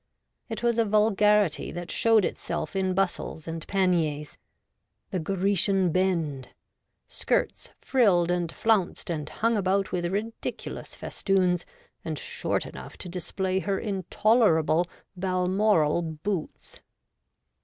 It was a vul garity that showed itself in bustles and paniers ; the ' Grecian Bend ;' skirts frilled and flounced and hung about with ridiculous festoons, and short enough to display her intolerable Balmoral boots.